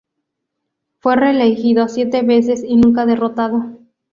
Fue reelegido siete veces, y nunca derrotado.